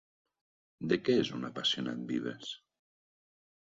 De què és un apassionat Vives?